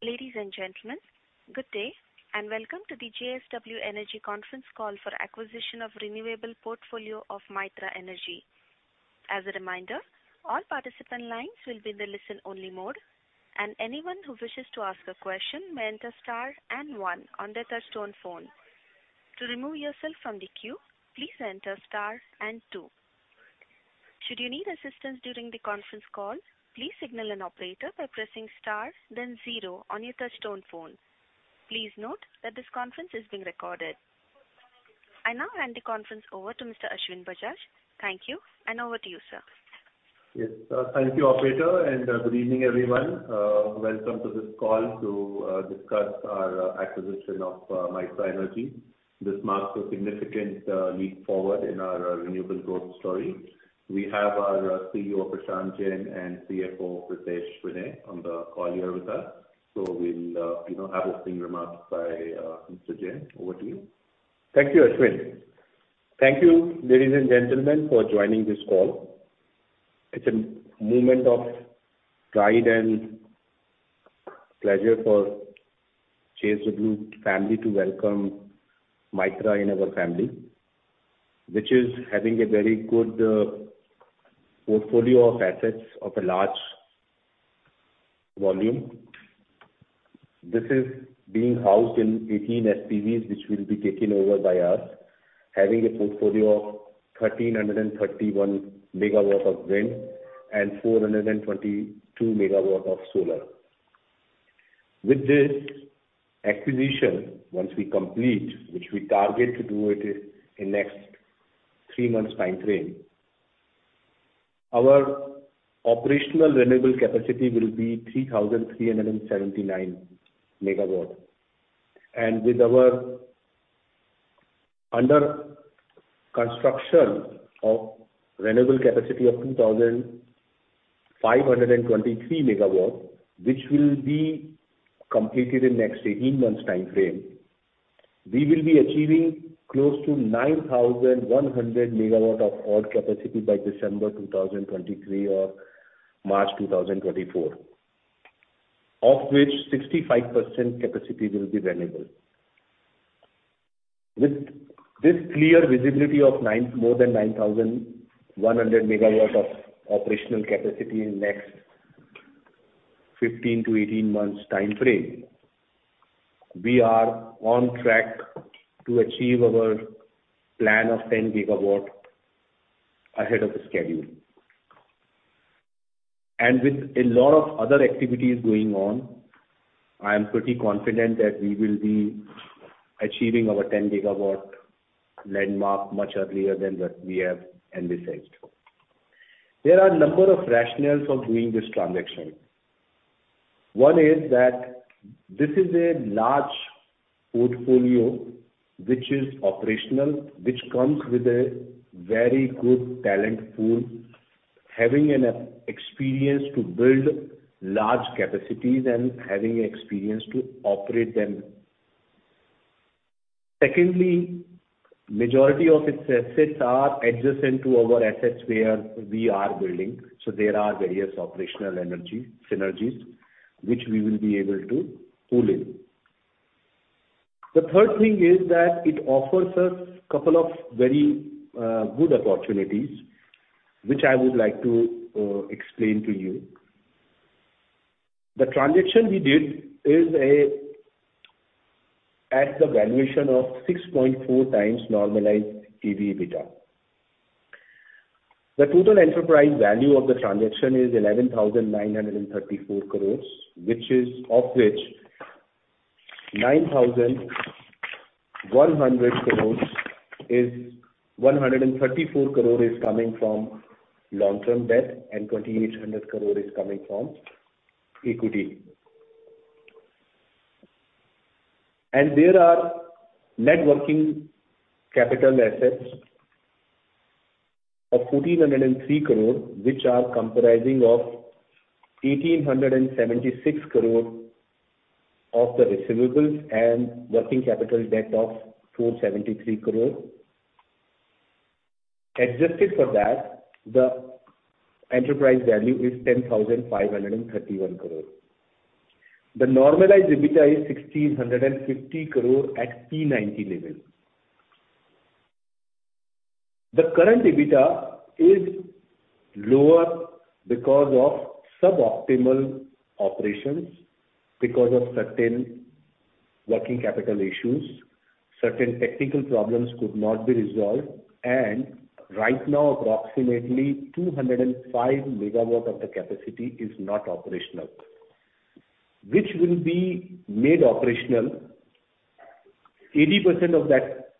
Ladies and gentlemen, good day, and welcome to the JSW Energy conference call for acquisition of renewable portfolio of Mytrah Energy. As a reminder, all participant lines will be in the listen-only mode, and anyone who wishes to ask a question may enter star and one on their touchtone phone. To remove yourself from the queue, please enter star and two. Should you need assistance during the conference call, please signal an operator by pressing star then zero on your touchtone phone. Please note that this conference is being recorded. I now hand the conference over to Mr. Ashwin Bajaj. Thank you, and over to you, sir. Yes. Thank you, operator, and good evening, everyone. Welcome to this call to discuss our acquisition of Mytrah Energy. This marks a significant leap forward in our renewable growth story. We have our CEO, Prashant Jain, and CFO, Pritesh Vinay, on the call here with us. We'll, you know, have opening remarks by Mr. Jain. Over to you. Thank you, Ashwin. Thank you, ladies and gentlemen, for joining this call. It's a moment of pride and pleasure for JSW family to welcome Mytrah in our family, which is having a very good portfolio of assets of a large volume. This is being housed in 18 SPVs, which will be taken over by us, having a portfolio of 1,331 MW of wind and 422 MW of solar. With this acquisition, once we complete, which we target to do it in next three months timeframe, our operational renewable capacity will be 3,379 MW. With our under construction of renewable capacity of 2,523 MW, which will be completed in next 18 months timeframe, we will be achieving close to 9,100 MW-odd capacity by December 2023 or March 2024. Of which 65% capacity will be renewable. With this clear visibility of more than 9,100 MW of operational capacity in next 15-18 months timeframe, we are on track to achieve our plan of 10 GW ahead of the schedule. With a lot of other activities going on, I am pretty confident that we will be achieving our 10 GW landmark much earlier than what we have envisaged. There are a number of rationales for doing this transaction. One is that this is a large portfolio which is operational, which comes with a very good talent pool, having an experience to build large capacities and having experience to operate them. Secondly, majority of its assets are adjacent to our assets where we are building. There are various operational energy synergies which we will be able to pull in. The third thing is that it offers us couple of very good opportunities, which I would like to explain to you. The transaction we did is at the valuation of 6.4x normalized EBITDA. The total enterprise value of the transaction is 11,934 crore, of which 9,134 crore is coming from long-term debt and 2,800 crore is coming from equity. There are net working capital assets of 1,403 crore, which are comprising of 1,876 crore of the receivables and working capital debt of 473 crore. Adjusted for that, the enterprise value is 10,531 crore. The normalized EBITDA is 1,650 crore at P90 level. The current EBITDA is lower because of suboptimal operations, because of certain working capital issues. Certain technical problems could not be resolved, and right now, approximately 205 MW of the capacity is not operational. Which will be made operational, 80% of that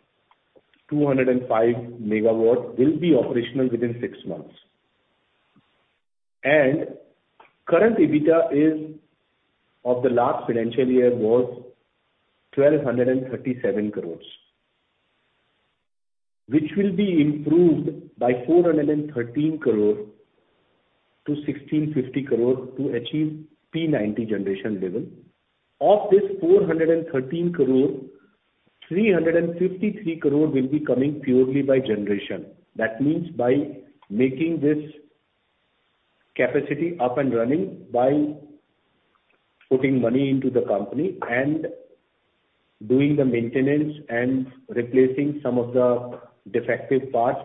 205 MW will be operational within six months. Current EBITDA is, of the last financial year, was 1,237 crore, which will be improved by 413 crore to 1,650 crore to achieve P90 generation level. Of this 413 crore, 353 crore will be coming purely by generation. That means by making this capacity up and running by putting money into the company and doing the maintenance and replacing some of the defective parts,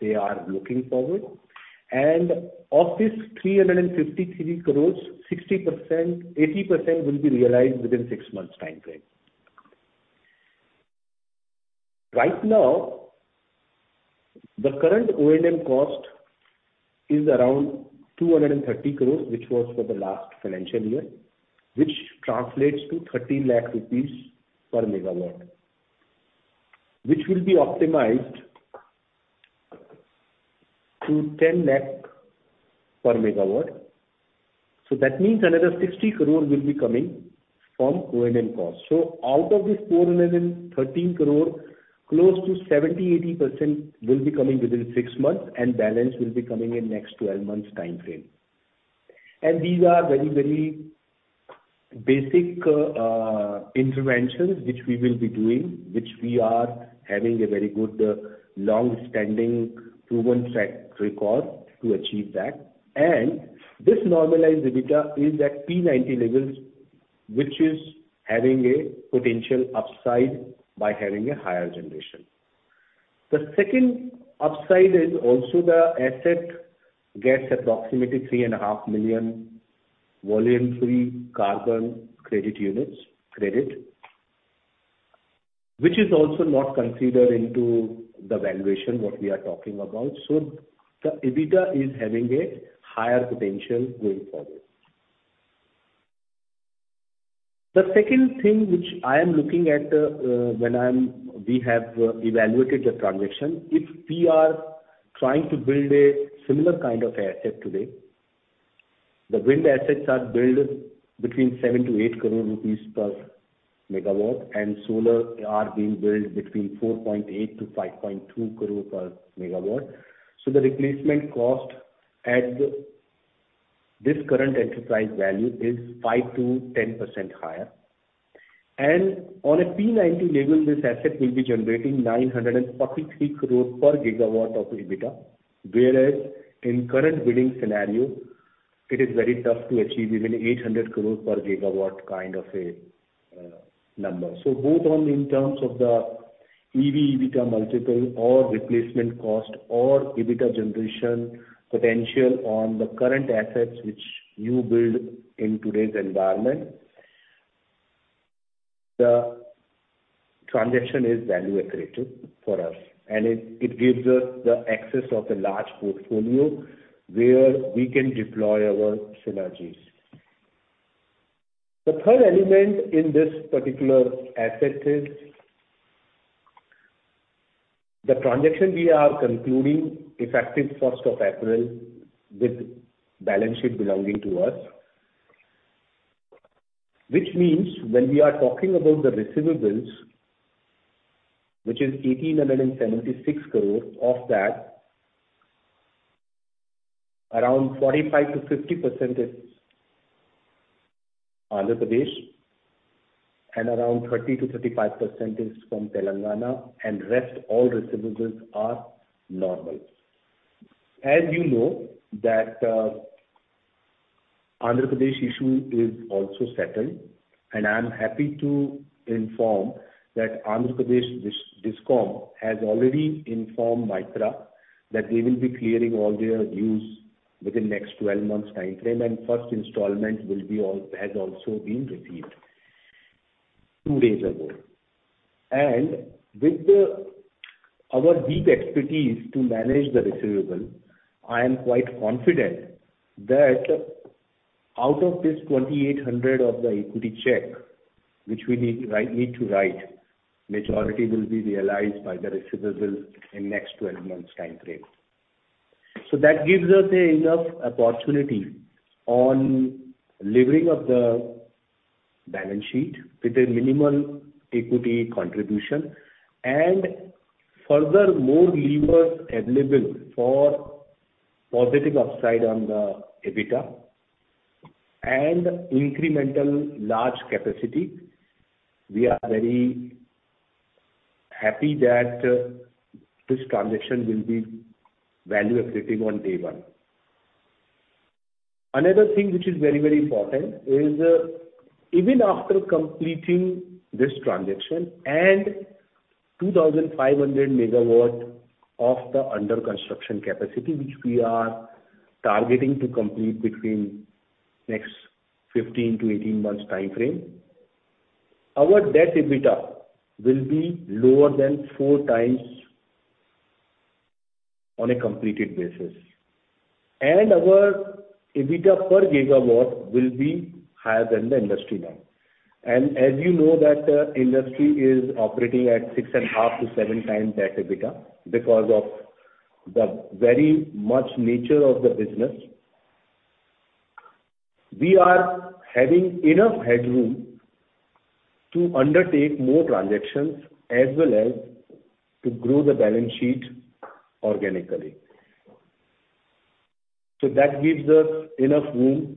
they are looking forward. Of this 353 crore, 60%-80% will be realized within six-month timeframe. Right now, the current O&M cost is around 230 crore, which was for the last financial year, which translates to 30 lakh rupees per megawatt, which will be optimized to 10 lakh per megawatt. That means another 60 crore will be coming from O&M costs. Out of this 413 crore, close to 70%-80% will be coming within six months and balance will be coming in next 12 months timeframe. These are very, very basic interventions which we will be doing, which we are having a very good long-standing proven track record to achieve that. This normalized EBITDA is at P90 levels, which is having a potential upside by having a higher generation. The second upside is also the asset gets approximately 3.5 million volume three carbon credit units credit, which is also not considered into the valuation, what we are talking about. The EBITDA is having a higher potential going forward. The second thing which I am looking at, we have evaluated the transaction, if we are trying to build a similar kind of asset today, the wind assets are built between 7-8 crore rupees per megawatt, and solar are being built between 4.8-5.2 crore per megawatt. The replacement cost at this current enterprise value is 5%-10% higher. On a P90 level, this asset will be generating 953 crore per gigawatt of EBITDA. Whereas in current bidding scenario, it is very tough to achieve even 800 crore per gigawatt kind of a number. Both on in terms of the EV/EBITDA multiple or replacement cost or EBITDA generation potential on the current assets which you build in today's environment, the transaction is value accretive for us and it gives us the access of a large portfolio where we can deploy our synergies. The third element in this particular asset is the transaction we are concluding effective first of April with balance sheet belonging to us. Which means when we are talking about the receivables, which is 1,876 crore, of that, around 45%-50% is Andhra Pradesh, and around 30%-35% is from Telangana, and rest all receivables are normal. As you know that, Andhra Pradesh issue is also settled, and I am happy to inform that Andhra Pradesh Discom has already informed Mytrah that they will be clearing all their dues within next 12 months timeframe, and first installment has also been received two days ago. Our deep expertise to manage the receivable, I am quite confident that out of this 2,800 of the equity check, which we need to write, majority will be realized by the receivables in next 12 months timeframe. That gives us enough opportunity on levering of the balance sheet with a minimal equity contribution and furthermore levers available for positive upside on the EBITDA and incremental large capacity. We are very happy that this transaction will be value accretive on day one. Another thing which is very, very important is, even after completing this transaction and 2,500 megawatt of the under construction capacity, which we are targeting to complete between next 15-18 months timeframe, our debt EBITDA will be lower than 4x on a completed basis. Our EBITDA per gigawatt will be higher than the industry norm. As you know that, industry is operating at 6.5x-7x that EBITDA because of the very much nature of the business. We are having enough headroom to undertake more transactions as well as to grow the balance sheet organically. That gives us enough room to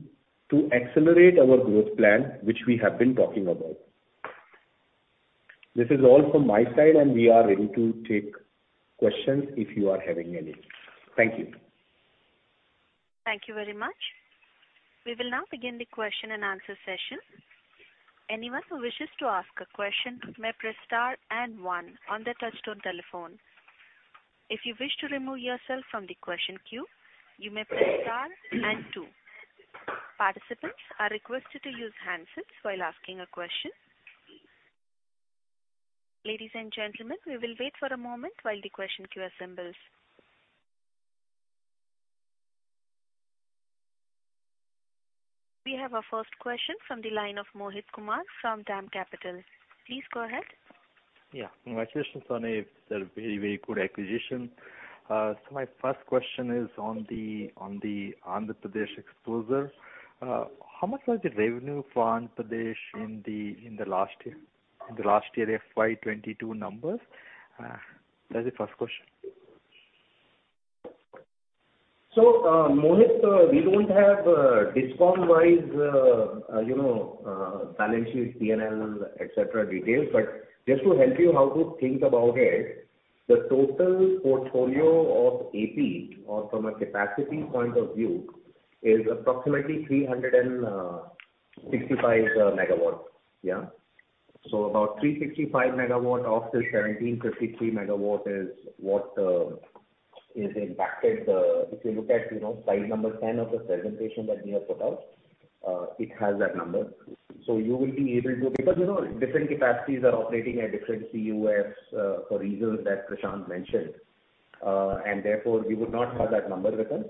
accelerate our growth plan, which we have been talking about. This is all from my side, and we are ready to take questions if you are having any. Thank you. Thank you very much. We will now begin the question and answer session. Anyone who wishes to ask a question may press star and one on their touchtone telephone. If you wish to remove yourself from the question queue, you may press star and two. Participants are requested to use handsets while asking a question. Ladies and gentlemen, we will wait for a moment while the question queue assembles. We have our first question from the line of Mohit Kumar from DAM Capital. Please go ahead. Yeah. Congratulations on a very good acquisition, sir. My first question is on the Andhra Pradesh exposure. How much was the revenue for Andhra Pradesh in the last year, FY 2022 numbers? That's the first question. Mohit, we don't have DISCOM-wise, you know, balance sheet, P&L, et cetera, details. Just to help you how to think about it, the total portfolio of AP or from a capacity point of view is approximately 365 MW. About 365 MW of the 1,753 MW is what is impacted. If you look at, you know, slide number 10 of the presentation that we have put out, it has that number. You will be able to because, you know, different capacities are operating at different CUFs for reasons that Prashant mentioned. Therefore, we would not have that number with us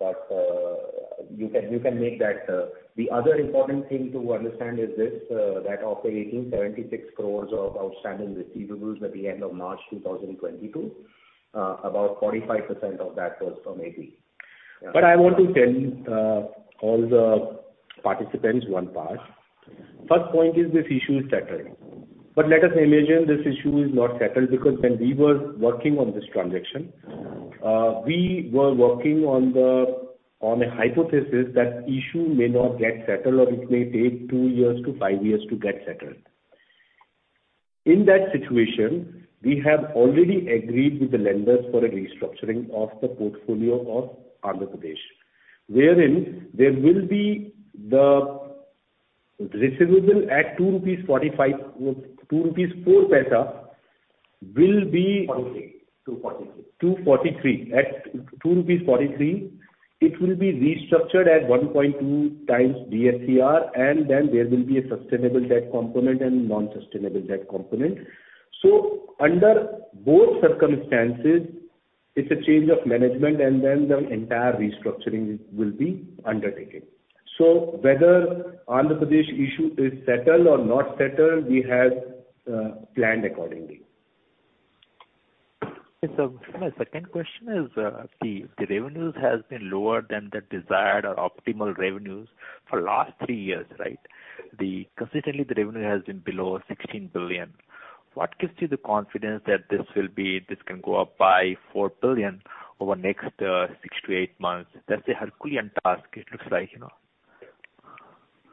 readily. You can make that. The other important thing to understand is this, that of the 1,876 crores of outstanding receivables at the end of March 2022, about 45% of that was from AP. Yeah. I want to tell all the participants one part. First point is this issue is settling. Let us imagine this issue is not settled because when we were working on this transaction, we were working on a hypothesis that issue may not get settled or it may take two to five years to get settled. In that situation, we have already agreed with the lenders for a restructuring of the portfolio of Andhra Pradesh, wherein there will be the receivable at INR 2.04 will be- 43. 243. 2.43. At INR 2.43, it will be restructured at 1.2x DSCR, and then there will be a sustainable debt component and non-sustainable debt component. Under both circumstances, it's a change of management and then the entire restructuring will be undertaken. Whether Andhra Pradesh issue is settled or not settled, we have planned accordingly. Okay. My second question is, the revenues has been lower than the desired or optimal revenues for last three years, right? Consistently the revenue has been below 16 billion. What gives you the confidence that this can go up by 4 billion over next six to eight months? That's a Herculean task it looks like, you know.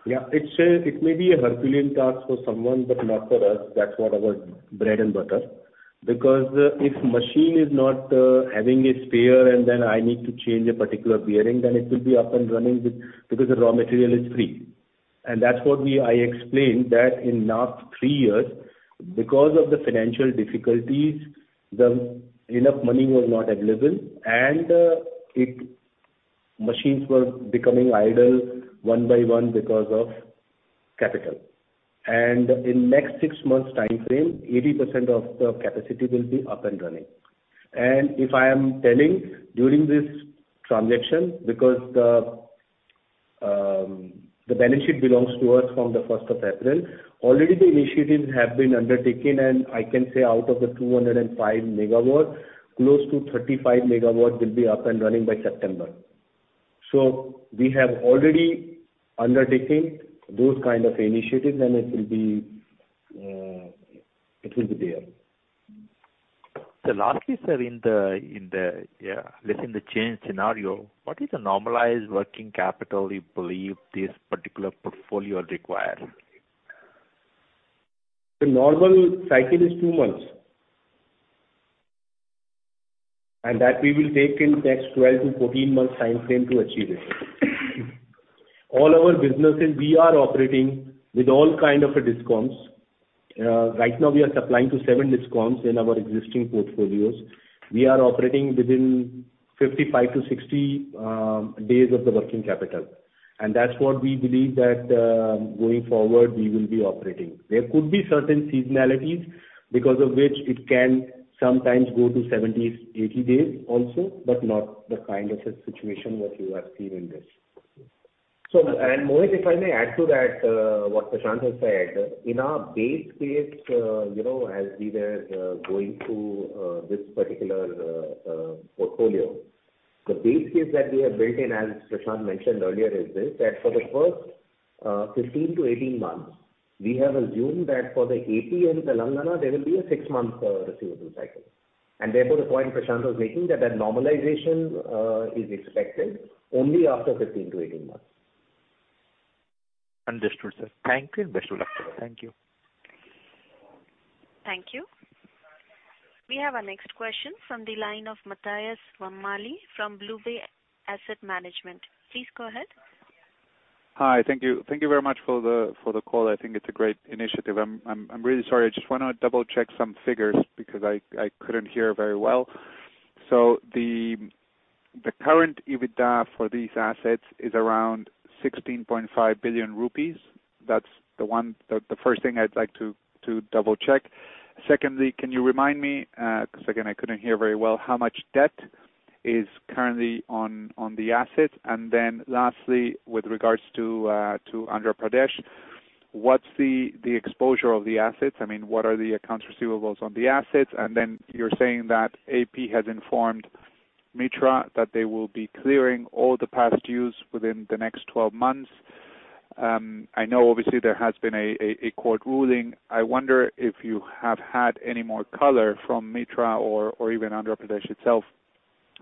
It may be a Herculean task for someone, but not for us. That's our bread and butter. Because if machine is not having a spare and then I need to change a particular bearing, then it will be up and running because the raw material is free. That's what I explained that in last three years because of the financial difficulties, not enough money was available, and the machines were becoming idle one by one because of capital. In next six months timeframe, 80% of the capacity will be up and running. If I am telling during this transaction, because the balance sheet belongs to us from the first of April, already the initiatives have been undertaken, and I can say out of the 205 MW, close to 35 MW will be up and running by September. We have already undertaken those kind of initiatives and it will be there. Lastly, sir, let's say in the change scenario, what is the normalized working capital you believe this particular portfolio requires? The normal cycle is two months. That we will take in next 12-14 months timeframe to achieve it. All our businesses, we are operating with all kind of a DISCOMs. Right now we are supplying to seven DISCOMs in our existing portfolios. We are operating within 55-60 days of the working capital. That's what we believe that, going forward we will be operating. There could be certain seasonalities because of which it can sometimes go to 70, 80 days also, but not the kind of a situation what you have seen in this. Mohit, if I may add to that, what Prashant has said. In our base case, as we were going through this particular portfolio. The base case that we have built in, as Prashant mentioned earlier, is this. That for the first 15-18 months. We have assumed that for the AP and Telangana, there will be a six-month receivable cycle. Therefore, the point Prashant was making that a normalization is expected only after 15-18 months. Understood, sir. Thank you, and best of luck to you. Thank you. Thank you. We have our next question from the line of Matias Vammalle from BlueBay Asset Management. Please go ahead. Hi. Thank you. Thank you very much for the call. I think it's a great initiative. I'm really sorry. I just wanna double-check some figures because I couldn't hear very well. The current EBITDA for these assets is around 16.5 billion rupees. That's the one. The first thing I'd like to double-check. Secondly, can you remind me, 'cause again, I couldn't hear very well, how much debt is currently on the assets? Then lastly, with regards to Andhra Pradesh, what's the exposure of the assets? I mean, what are the accounts receivables on the assets? Then you're saying that AP has informed Mytrah that they will be clearing all the past dues within the next 12 months. I know obviously there has been a court ruling. I wonder if you have had any more color from Mytrah or even Andhra Pradesh itself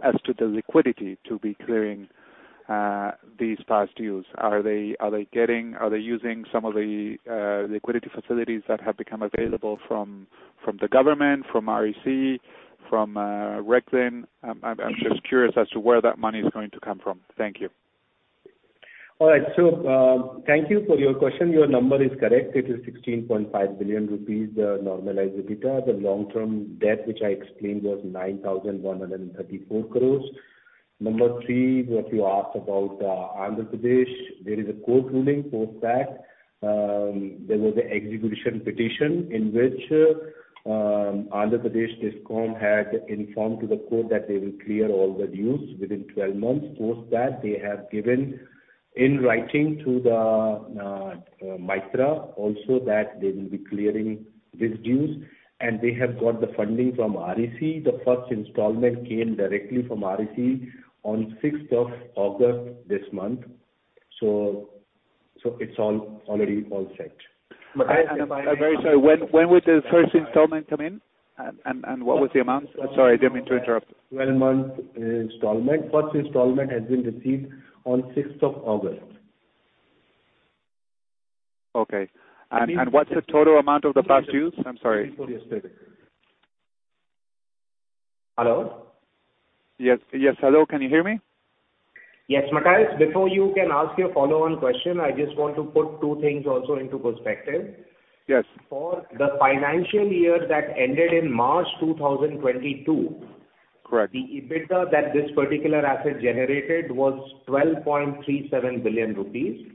as to the liquidity to be clearing these past dues. Are they using some of the liquidity facilities that have become available from the government, from REC, from REC Ltd? I'm just curious as to where that money is going to come from. Thank you. All right. Thank you for your question. Your number is correct. It is 16.5 billion rupees, the normalized EBITDA. The long-term debt which I explained was 9,134 crores. Number three, what you asked about, Andhra Pradesh, there is a court ruling post that. There was an execution petition in which, Andhra Pradesh DISCOM had informed to the court that they will clear all the dues within 12 months. Post that, they have given in writing to Mytrah also that they will be clearing these dues, and they have got the funding from REC. The first installment came directly from REC on the sixth of August this month. It's all set. I'm very sorry. When will the first installment come in? What was the amount? Sorry, I didn't mean to interrupt. 12-month installment. First installment has been received on sixth of August. Okay. What's the total amount of the past dues? I'm sorry. Hello? Yes. Yes. Hello. Can you hear me? Yes. Matias, before you can ask your follow-on question, I just want to put two things also into perspective. Yes. For the financial year that ended in March 2022. Correct. The EBITDA that this particular asset generated was 12.37 billion rupees.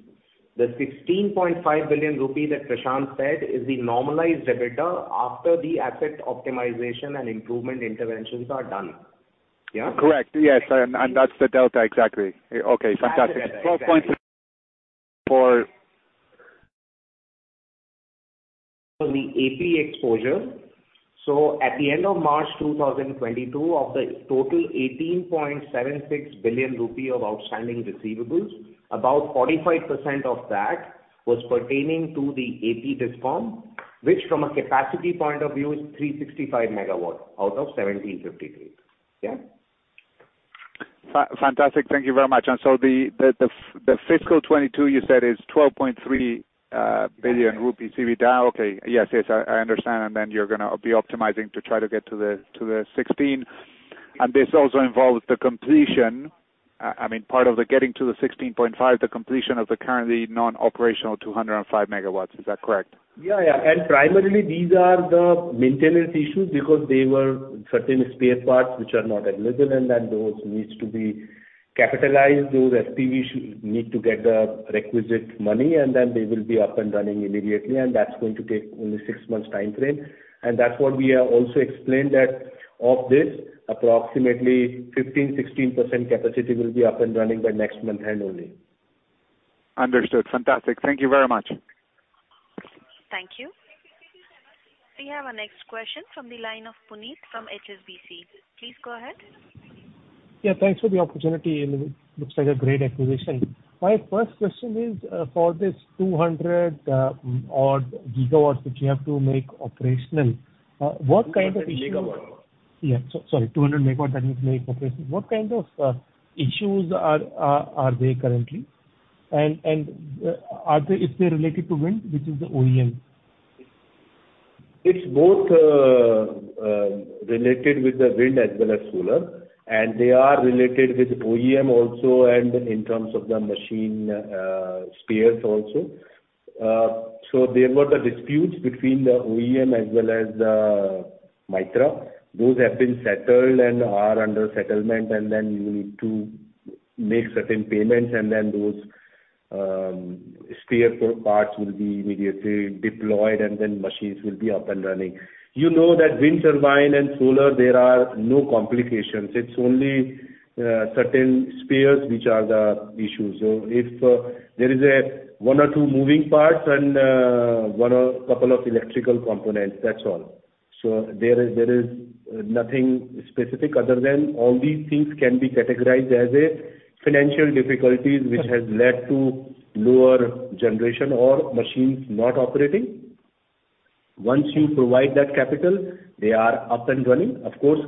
The 16.5 billion rupee that Prashant said is the normalized EBITDA after the asset optimization and improvement interventions are done. Yeah. Correct. Yes. That's the delta exactly. Okay. Fantastic. That's the delta, exactly. 12.4 For the AP exposure. At the end of March 2022, of the total 18.76 billion rupee of outstanding receivables, about 45% of that was pertaining to the AP Discom, which from a capacity point of view is 365 MW out of 1,753. Yeah. Fantastic. Thank you very much. The fiscal 2022 you said is 12.3 billion rupees EBITDA. Okay. Yes. Yes. I understand. You're gonna be optimizing to try to get to the 16. This also involves the completion. I mean, part of the getting to the 16.5, the completion of the currently non-operational 205 megawatts. Is that correct? Yeah. Primarily these are the maintenance issues because there were certain spare parts which are not available, and then those needs to be capitalized. Those SPVs need to get the requisite money, and then they will be up and running immediately. That's going to take only six months timeframe. That's what we have also explained that of this, approximately 15%-16% capacity will be up and running by next month end only. Understood. Fantastic. Thank you very much. Thank you. We have our next question from the line of Puneet from HSBC. Please go ahead. Yeah. Thanks for the opportunity, and it looks like a great acquisition. My first question is, for this 200-odd gigawatts that you have to make operational, what kind of issues? 200 MW. Sorry, 200 MW that you make operational. What kind of issues are there currently? Are they, if they're related to wind, which is the OEM? It's both, related with the wind as well as solar, and they are related with OEM also and in terms of the machine, spares also. So they've got the disputes between the OEM as well as the Mytrah. Those have been settled and are under settlement. You need to make certain payments, and then those, spare parts will be immediately deployed, and then machines will be up and running. You know that wind turbine and solar, there are no complications. It's only, certain spares which are the issues. So if there is, one or two moving parts and, one or couple of electrical components, that's all. There is nothing specific other than all these things can be categorized as a financial difficulties which has led to lower generation or machines not operating. Once you provide that capital, they are up and running. Of course,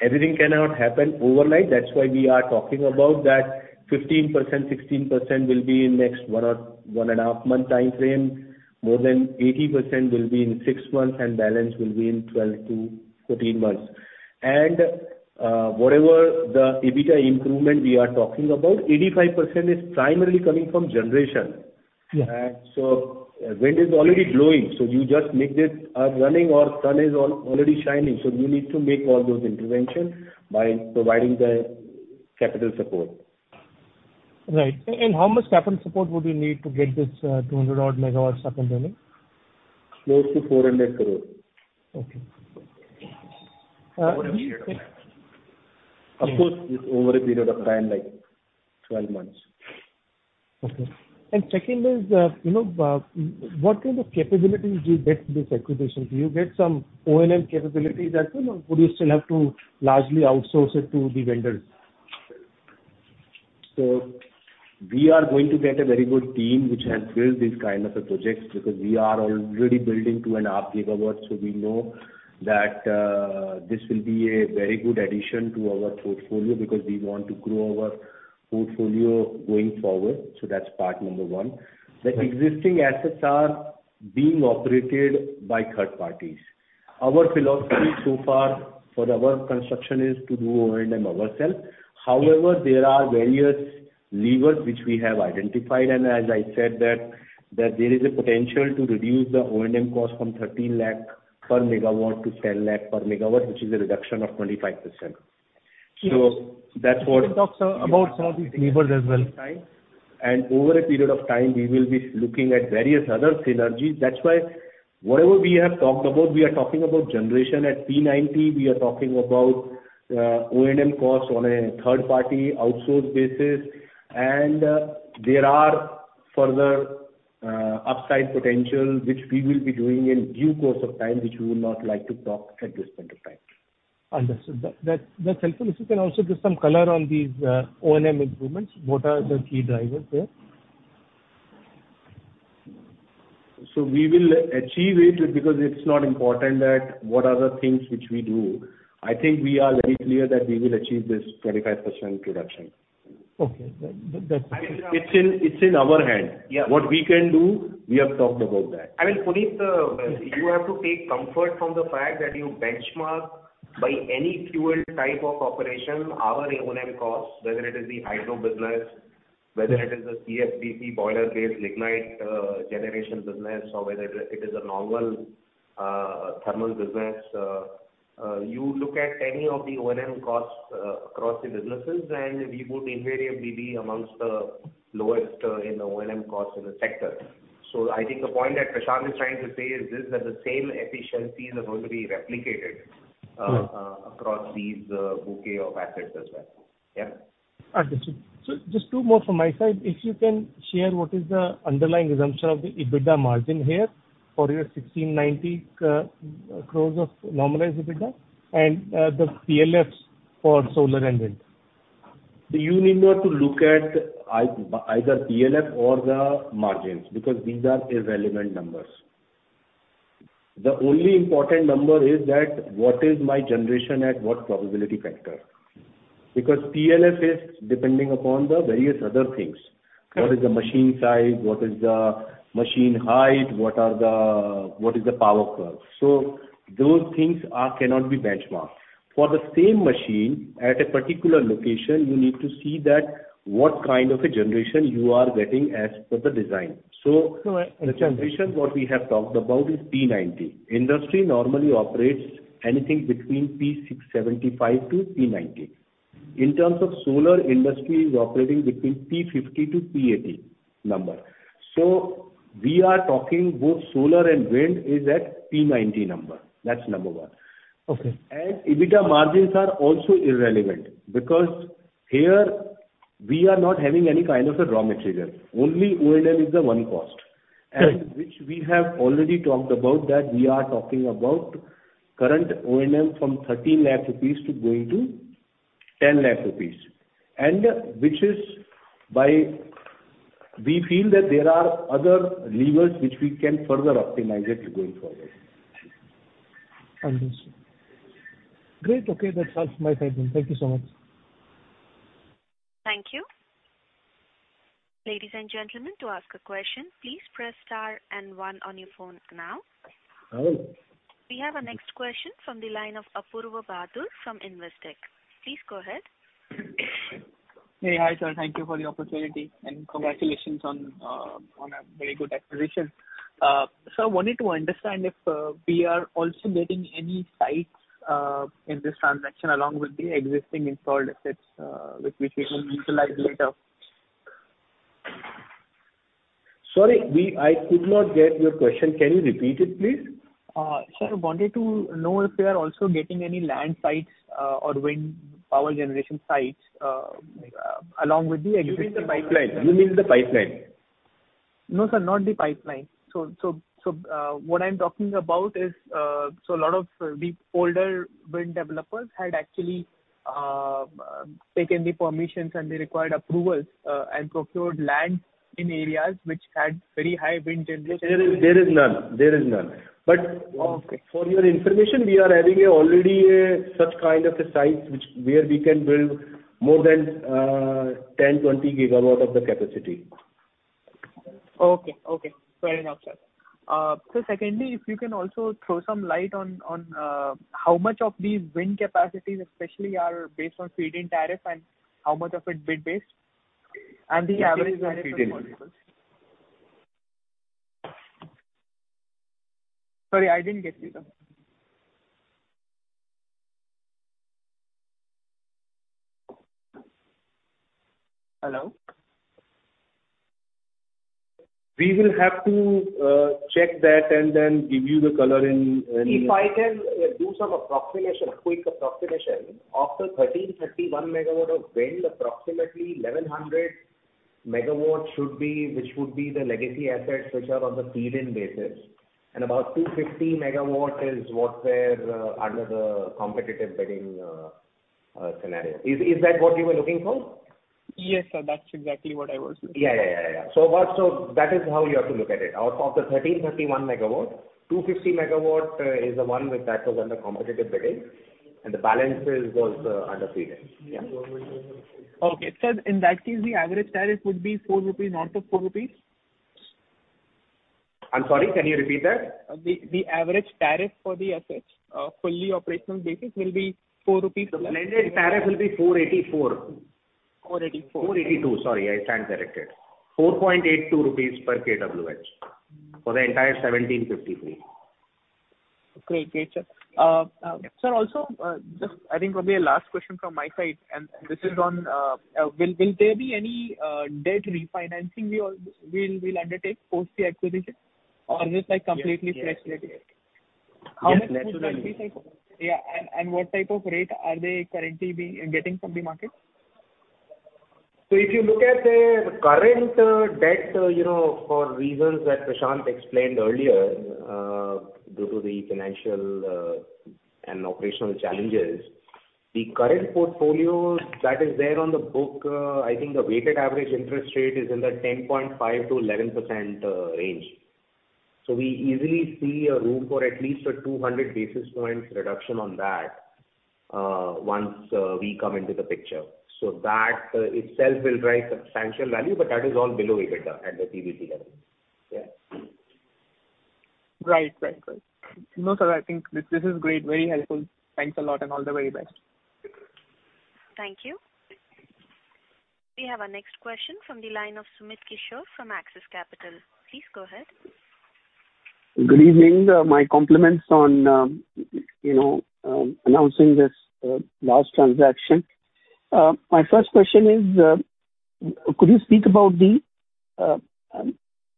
everything cannot happen overnight. That's why we are talking about that 15%, 16% will be in next one or one and a half month time frame. More than 80% will be in six months, and balance will be in 12-14 months. Whatever the EBITDA improvement we are talking about, 85% is primarily coming from generation. Yeah. Wind is already blowing, so you just make it running or sun is already shining. You need to make all those intervention by providing the capital support. Right. How much capital support would you need to get this 200-odd MW up and running? Close to INR 400 crore. Okay. Do you think? Of course, it's over a period of time, like 12 months. Okay. Second is, you know, what kind of capabilities you get from this acquisition? Do you get some O&M capabilities that, you know, would you still have to largely outsource it to the vendors? We are going to get a very good team which has built these kind of projects because we are already building 2.5 GW. We know that this will be a very good addition to our portfolio because we want to grow our portfolio going forward. That's part number one. Right. The existing assets are being operated by third parties. Our philosophy so far for our construction is to do O&M ourselves. However, there are various levers which we have identified and as I said that there is a potential to reduce the O&M cost from 13 lakh per megawatt to 10 lakh per megawatt, which is a reduction of 25%. Yes. That's what. Can you talk, sir, about some of these levers as well? Over a period of time we will be looking at various other synergies. That's why whatever we have talked about, we are talking about generation at P90. We are talking about O&M costs on a third party outsource basis. There are further upside potential which we will be doing in due course of time, which we would not like to talk at this point of time. Understood. That, that's helpful. If you can also give some color on these, O&M improvements, what are the key drivers there? We will achieve it because it's not important that what are the things which we do. I think we are very clear that we will achieve this 25% reduction. Okay. That's clear. It's in our hands. Yeah. What we can do, we have talked about that. I mean, Puneet, you have to take comfort from the fact that you benchmark by any fuel type of operation, our O&M costs, whether it is the hydro business, whether it is a CFBC boiler-based lignite generation business, or whether it is a normal thermal business. You look at any of the O&M costs across the businesses, and we would invariably be amongst the lowest in O&M costs in the sector. I think the point that Prashant is trying to say is this, that the same efficiencies are going to be replicated. Right. Across these, bouquet of assets as well. Yeah. Understood. Just two more from my side. If you can share what is the underlying assumption of the EBITDA margin here for your 16.90 crores of normalized EBITDA and the PLFs for solar and wind? You need not to look at either PLF or the margins because these are irrelevant numbers. The only important number is that what is my generation at what probability factor? Because PLF is depending upon the various other things. Correct. What is the machine size? What is the machine height? What is the power curve? Those things cannot be benchmarked. For the same machine at a particular location you need to see that what kind of a generation you are getting as per the design. No, I understand that. The generation what we have talked about is P90. Industry normally operates anything between P75 to P90. In terms of solar, industry is operating between P50 to P80 number. We are talking both solar and wind is at P90 number. That's number one. Okay. EBITDA margins are also irrelevant because here we are not having any kind of a raw material. Only O&M is the one cost. Right. Which we have already talked about that we are talking about current O&M from 13 lakh rupees to going to 10 lakh rupees. We feel that there are other levers which we can further optimize it going forward. Understood. Great. Okay, that's all from my side then. Thank you so much. Thank you. Ladies and gentlemen, to ask a question, please press star and one on your phone now. Hello. We have our next question from the line of Apoorva Bahadur from Investec. Please go ahead. Hey. Hi, sir. Thank you for the opportunity and congratulations on a very good acquisition. Sir, wanted to understand if we are also getting any sites in this transaction along with the existing installed assets which we can utilize later? Sorry, I could not get your question. Can you repeat it, please? Sir, wanted to know if we are also getting any land sites or wind power generation sites along with the existing pipeline? You mean the pipeline? No, sir, not the pipeline. What I'm talking about is so a lot of the older wind developers had actually taken the permissions and the required approvals, and procured land in areas which had very high wind generation. There is none. Okay. For your information, we already have such kind of a site where we can build more than 10-20 gigawatts of the capacity. Okay. Fair enough, sir. Secondly, if you can also throw some light on how much of these wind capacities especially are based on feed-in tariff and how much of it bid-based, and the average tariff involved? Sorry, I didn't get you, sir. Hello? We will have to check that and then give you the color. If I can do some approximation, quick approximation, of the 1,331 MW of wind, approximately 1,100 MW should be, which would be the legacy assets which are on the feed-in basis. About 250 MW is what they're under the competitive bidding scenario. Is that what you were looking for? Yes, sir. That's exactly what I was looking for. That is how you have to look at it. Out of the 1,331 megawatt, 250 megawatt is the one which was under competitive bidding, and the balance was under feed-in. Okay. In that case, the average tariff would be 4 rupees, north of 4 rupees? I'm sorry, can you repeat that? The average tariff for the assets, fully operational basis will be 4 rupees less. The blended tariff will be 4.84. 484. 482. Sorry, I stand corrected. 4.82 rupees per kWh for the entire 1,753. Great, sir. Sir, also, just I think probably a last question from my side, and this is on, will there be any debt refinancing we'll undertake post the acquisition or is this like completely fresh capital? Yes. How much would that be like? Yeah. What type of rate are they currently getting from the market? If you look at the current debt, you know, for reasons that Prashant explained earlier, due to the financial and operational challenges, the current portfolio that is there on the books, I think the weighted average interest rate is in the 10.5%-11% range. We easily see a room for at least a 200 basis points reduction on that, once we come into the picture. That itself will drive substantial value, but that is all below EBITDA at the PBT level. Yeah. Right. No, sir, I think this is great. Very helpful. Thanks a lot and all the very best. Thank you. We have our next question from the line of Sumit Kishore from Axis Capital. Please go ahead. Good evening. My compliments on you know announcing this large transaction. My first question is could you speak about the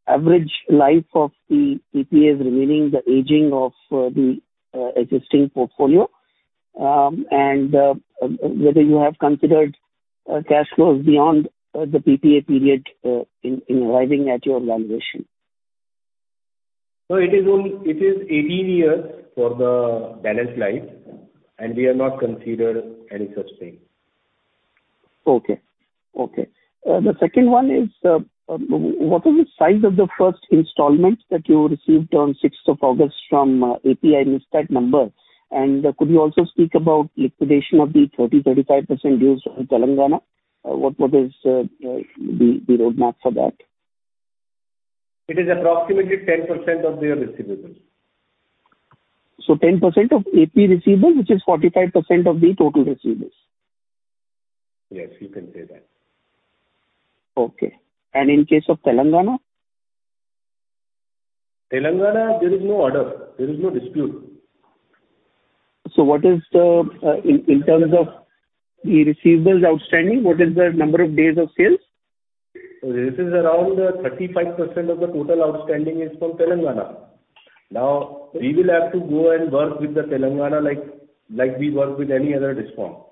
average life of the PPAs remaining, the aging of the existing portfolio, and whether you have considered cash flows beyond the PPA period in arriving at your valuation? It is only 18 years for the balance life, and we have not considered any such thing. Okay. The second one is, what was the size of the first installment that you received on 6th of August from AP and latest number? Could you also speak about liquidation of the 35% dues from Telangana? What is the roadmap for that? It is approximately 10% of their receivables. 10% of AP receivables, which is 45% of the total receivables. Yes, you can say that. Okay. In case of Telangana? Telangana, there is no order. There is no dispute. What is the in terms of the receivables outstanding, what is the number of days of sales? This is around 35% of the total outstanding is from Telangana. Now, we will have to go and work with the Telangana like we work with any other DISCOM.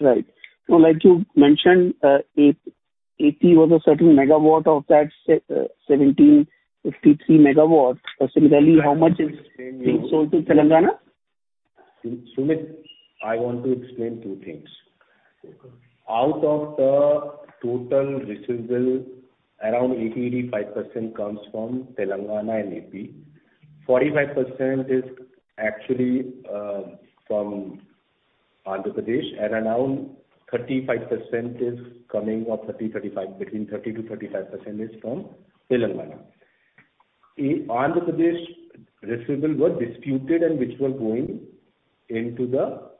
Right. Like you mentioned, AP was a certain megawatt of that 1,753 megawatts. Similarly, how much is being sold to Telangana? Sumit, I want to explain two things. Okay. Out of the total receivable, around 85% comes from Telangana and AP. 45% is actually from Andhra Pradesh, and around 35% is coming, between 30%-35% is from Telangana. Andhra Pradesh receivable was disputed and which was going into the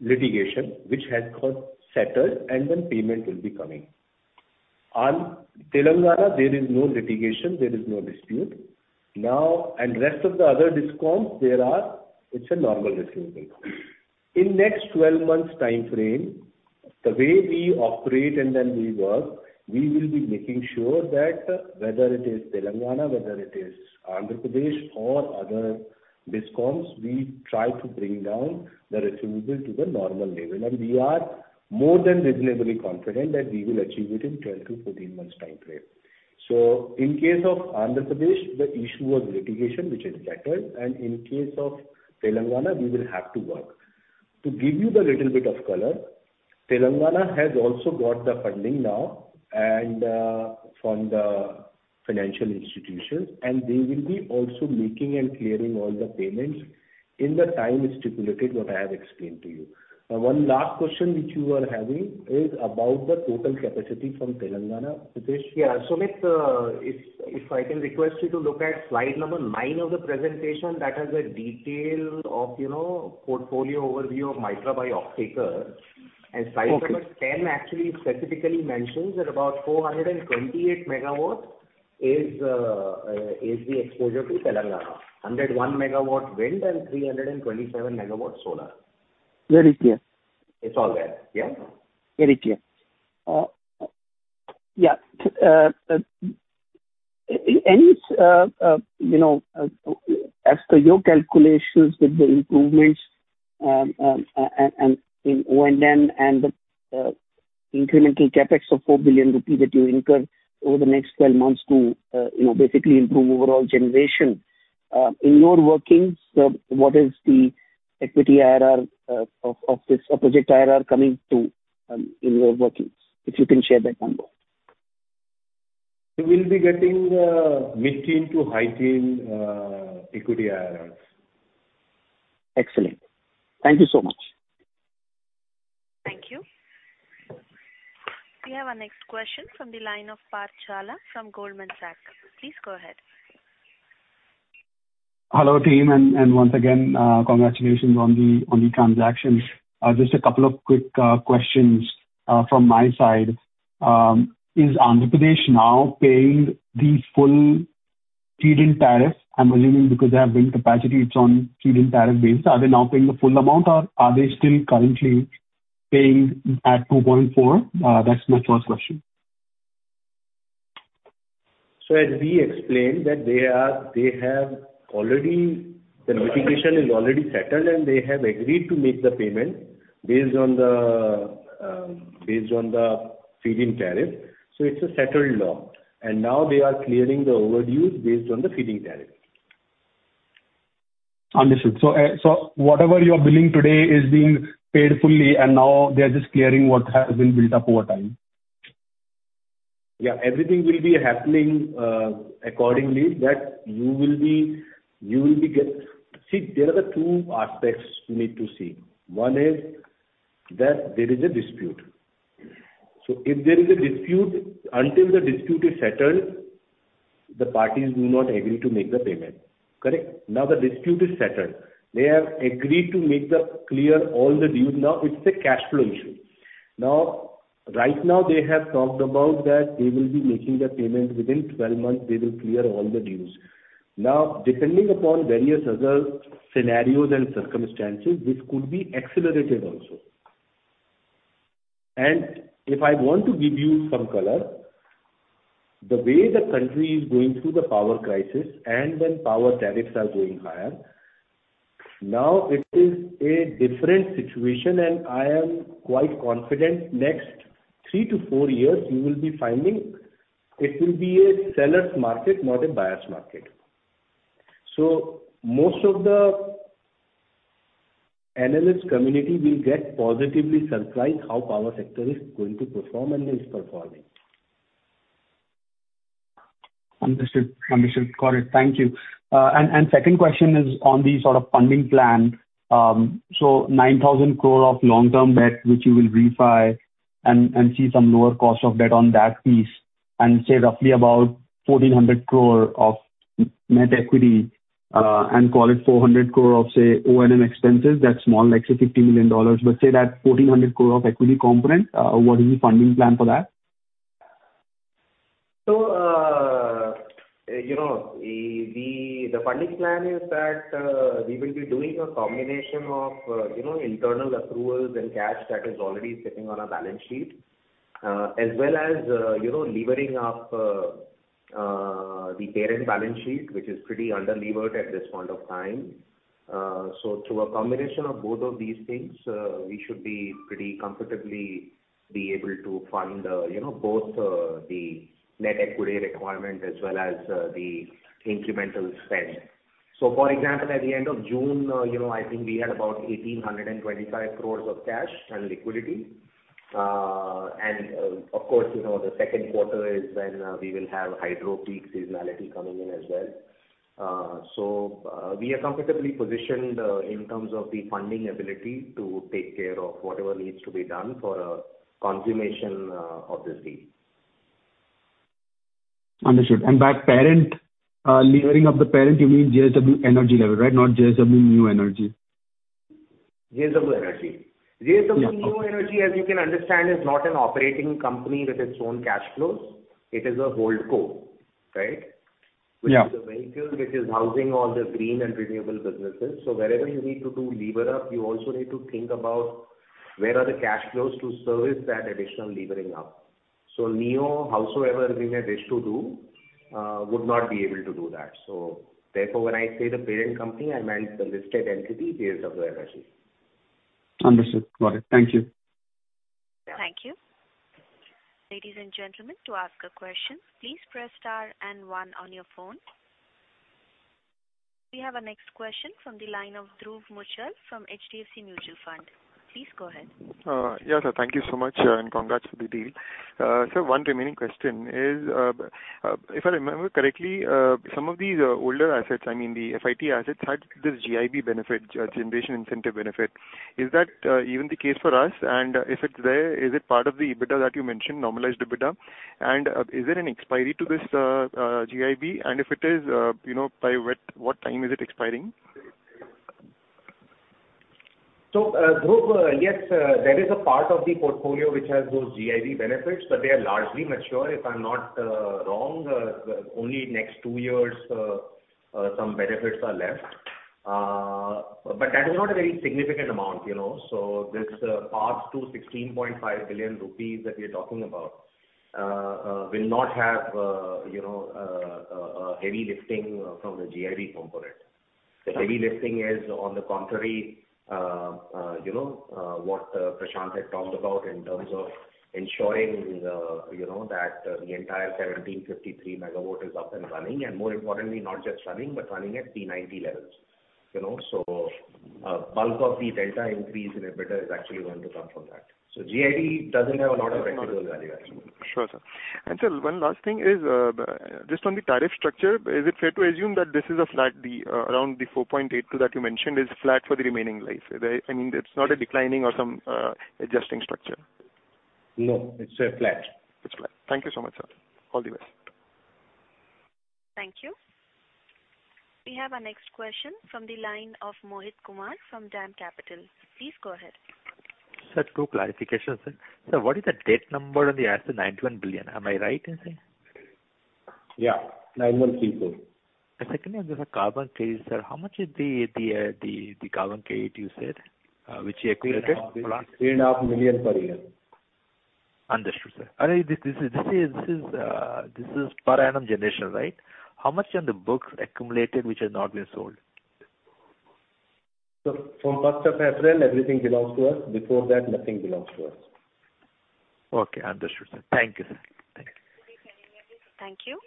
litigation, which has got settled and when payment will be coming. On Telangana, there is no litigation, there is no dispute. Now, rest of the other DISCOMs, it's a normal receivable. In next 12 months timeframe, the way we operate and then we work, we will be making sure that whether it is Telangana, whether it is Andhra Pradesh or other DISCOMs, we try to bring down the receivable to the normal level. We are more than reasonably confident that we will achieve it in 12-14 months timeframe. In case of Andhra Pradesh, the issue was litigation, which is settled, and in case of Telangana, we will have to work. To give you the little bit of color, Telangana has also got the funding now and from the financial institutions, and they will be also making and clearing all the payments in the time stipulated what I have explained to you. Now, one last question which you are having is about the total capacity from Telangana, Satish. Yeah. Sumit, if I can request you to look at slide number nine of the presentation that has a detail of, you know, portfolio overview of Mytrah by Optima. Okay. Slide number 10 actually specifically mentions that about 428 megawatts is the exposure to Telangana. 101 megawatt wind and 327 megawatts solar. Very clear. It's all there. Yeah. Very clear. Any, you know, as per your calculations with the improvements, and in O&M and the incremental CapEx of 4 billion rupees that you incur over the next 12 months to, you know, basically improve overall generation. In your workings, what is the equity IRR of this or project IRR coming to, in your workings? If you can share that number. We will be getting mid-teens to high-teens equity IRRs. Excellent. Thank you so much. Thank you. We have our next question from the line of Parth Shah from Goldman Sachs. Please go ahead. Hello, team, and once again, congratulations on the transaction. Just a couple of quick questions from my side. Is Andhra Pradesh now paying the full feed-in tariff? I'm assuming because they have wind capacity, it's on feed-in tariff basis. Are they now paying the full amount or are they still currently paying at 2.4? That's my first question. As we explained that they have already. The litigation is already settled, and they have agreed to make the payment based on the feed-in tariff. It's a settled law. Now they are clearing the overdues based on the feed-in tariff. Understood. Whatever you are billing today is being paid fully and now they're just clearing what has been built up over time. Yeah. Everything will be happening accordingly. See, there are the two aspects you need to see. One is that there is a dispute. If there is a dispute, until the dispute is settled, the parties do not agree to make the payment. Correct? Now the dispute is settled. They have agreed to clear all the dues. Now, it's a cash flow issue. Now, right now they have talked about that they will be making the payment within 12 months, they will clear all the dues. Now, depending upon various other scenarios and circumstances, this could be accelerated also. If I want to give you some color, the way the country is going through the power crisis and when power tariffs are going higher, now it is a different situation and I am quite confident next three to four years you will be finding it will be a seller's market, not a buyer's market. Most of the analyst community will get positively surprised how power sector is going to perform and is performing. Understood. Got it. Thank you. Second question is on the sort of funding plan. So 9,000 crore of long-term debt, which you will refi and see some lower cost of debt on that piece, and say roughly about 1,400 crore of net equity, and call it 400 crore of, say, O&M expenses, that's more or less say $50 million. Let's say that's 1,400 crore of equity component, what is the funding plan for that? You know, the funding plan is that we will be doing a combination of you know, internal accruals and cash that is already sitting on our balance sheet, as well as you know, levering up the parent balance sheet, which is pretty under-levered at this point of time. Through a combination of both of these things, we should be pretty comfortably able to fund you know, both the net equity requirement as well as the incremental spend. For example, at the end of June, you know, I think we had about 1,825 crores of cash and liquidity. And of course, you know, the second quarter is when we will have hydro peak seasonality coming in as well. We are comfortably positioned in terms of the funding ability to take care of whatever needs to be done for consummation of this deal. Understood. By parent, levering up the parent, you mean JSW Energy level, right? Not JSW Neo Energy. JSW Energy. Yeah. JSW Neo Energy, as you can understand, is not an operating company with its own cash flows. It is a holdco, right? Yeah. Which is a vehicle which is housing all the green and renewable businesses. Wherever you need to do leverage up, you also need to think about where are the cash flows to service that additional leveraging up. Neo, howsoever we had wished to do, would not be able to do that. Therefore, when I say the parent company, I meant the listed entity, JSW Energy. Understood. Got it. Thank you. Thank you. Ladies and gentlemen, to ask a question, please press star and one on your phone. We have our next question from the line of Dhruv Muchhal from HDFC Mutual Fund. Please go ahead. Yeah, sir. Thank you so much, and congrats for the deal. So one remaining question is, if I remember correctly, some of these older assets, I mean, the FIT assets had this GBI benefit, Generation Based Incentive. Is that even the case for us? And if it's there, is it part of the EBITDA that you mentioned, normalized EBITDA? And, is there an expiry to this, GBI? And if it is, you know, by what time is it expiring? Dhruv, yes, there is a part of the portfolio which has those GBI benefits, but they are largely mature. If I'm not wrong, only next two years, some benefits are left. But that is not a very significant amount, you know. This part 216.5 billion rupees that we're talking about will not have, you know, a heavy lifting from the GBI component. The heavy lifting is on the contrary, you know, what Prashant had talked about in terms of ensuring, you know, that the entire 1,753 MW is up and running, and more importantly, not just running, but running at P90 levels. You know, bulk of the delta increase in EBITDA is actually going to come from that. GBI doesn't have a lot of practical value actually. Sure, sir. Sir, one last thing is, just on the tariff structure, is it fair to assume that this is a flat fee around 4.8 that you mentioned is flat for the remaining life? Is there, I mean, it's not a declining or some adjusting structure. No, it's flat. It's flat. Thank you so much, sir. All the best. Thank you. We have our next question from the line of Mohit Kumar from DAM Capital. Please go ahead. Sir, two clarifications, sir. Sir, what is the debt number on the asset? 91 billion. Am I right in saying? Yeah. 91 billion. Secondly, on the carbon credit, sir, how much is the carbon credit you said, which you accumulated last? 3.5 million per year. Understood, sir. This is per annum generation, right? How much are on the books accumulated which has not been sold? From first of April, everything belongs to us. Before that, nothing belongs to us. Okay. Understood, sir. Thank you, sir. Thank you. Thank you.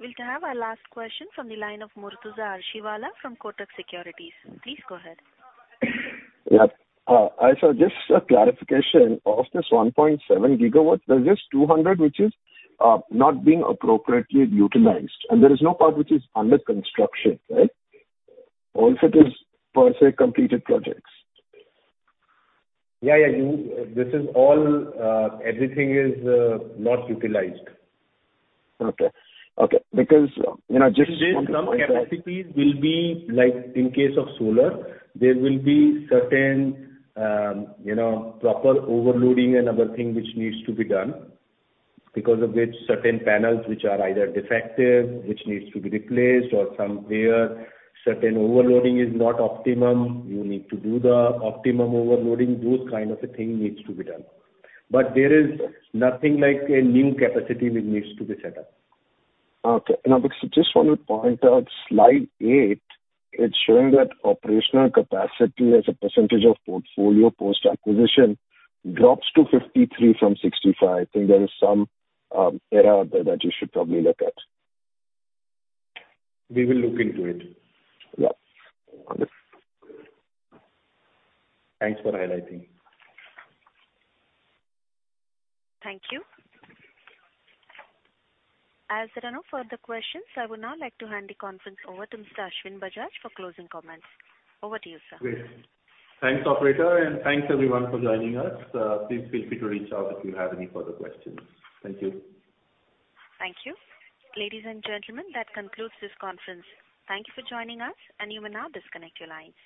We'll have our last question from the line of Murtuza Arsiwalla from Kotak Securities. Please go ahead. Yeah. Hi, sir. Just a clarification. Of this 1.7 gigawatts, there's just 200 which is not being appropriately utilized, and there is no part which is under construction, right? All of it is per se completed projects. Yeah. This is all, everything is not utilized. Okay. Because, you know, just one point that. There's some capacities will be, like in case of solar, there will be certain, you know, proper overloading and other thing which needs to be done. Because of which certain panels which are either defective, which needs to be replaced or somewhere certain overloading is not optimum, you need to do the optimum overloading. Those kind of a thing needs to be done. There is nothing like a new capacity which needs to be set up. Okay. Now, because I just wanna point out slide eight, it's showing that operational capacity as a percentage of portfolio post-acquisition drops to 53% from 65%. I think there is some error there that you should probably look at. We will look into it. Yeah. Understood. Thanks for highlighting. Thank you. As there are no further questions, I would now like to hand the conference over to Mr. Ashwin Bajaj for closing comments. Over to you, sir. Great. Thanks, operator, and thanks everyone for joining us. Please feel free to reach out if you have any further questions. Thank you. Thank you. Ladies and gentlemen, that concludes this conference. Thank you for joining us, and you may now disconnect your lines.